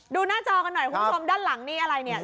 หน้าจอกันหน่อยคุณผู้ชมด้านหลังนี่อะไรเนี่ย